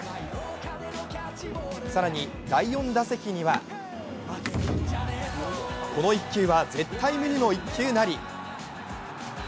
更に第４打席にはこの１球は絶対無二の１球なり。